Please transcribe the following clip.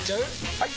・はい！